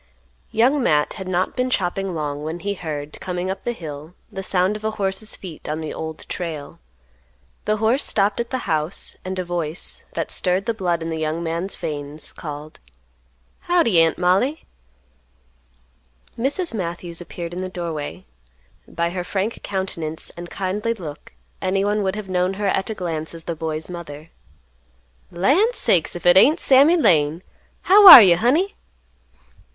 Young Matt had not been chopping long when he heard, coming up the hill, the sound of a horse's feet on the Old Trail. The horse stopped at the house and a voice, that stirred the blood in the young man's veins, called, "Howdy, Aunt Mollie." Mrs. Matthews appeared in the doorway; by her frank countenance and kindly look anyone would have known her at a glance as the boy's mother. "Land sakes, if it ain't Sammy Lane! How are you, honey?"